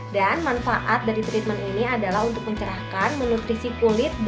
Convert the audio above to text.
dan manfaat dari treatment ini adalah untuk mencerahkan menutrisi kulit